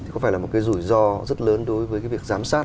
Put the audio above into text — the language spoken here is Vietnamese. thì có phải là một cái rủi ro rất lớn đối với cái việc giám sát